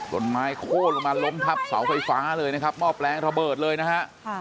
ต้นไม้โค้นลงมาล้มทับเสาไฟฟ้าเลยนะครับหม้อแปลงระเบิดเลยนะฮะ